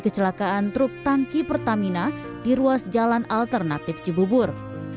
kecelakaan truk tangki pertamina di ruas jalan alternatif cibubur